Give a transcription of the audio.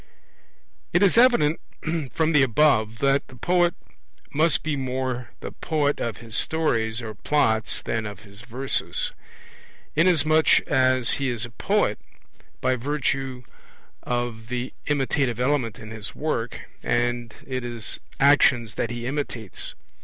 It is evident from the above that, the poet must be more the poet of his stories or Plots than of his verses, inasmuch as he is a poet by virtue of the imitative element in his work, and it is actions that he imitates.